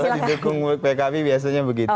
kalau di dukung pkb biasanya begitu